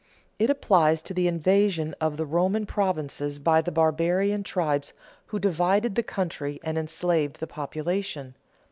It applies to the invasion of the Roman provinces by the barbarian tribes who divided the country and enslaved the population.